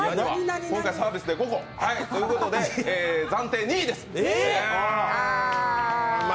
今回サービスで５個ということで暫定２位です。